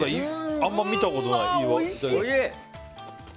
あんまり見たことがない。